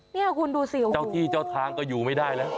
นี่คุณดูสิเจ้าที่เจ้าทางก็อยู่ไม่ได้แล้ว